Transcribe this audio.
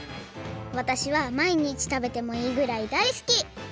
わたしはまいにちたべてもいいぐらいだいすき！